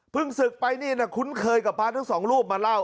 ศึกไปนี่นะคุ้นเคยกับพระทั้งสองรูปมาเล่า